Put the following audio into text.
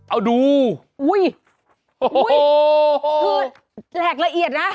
เอาดูอุ้ยคือแหลกละเอียดนะ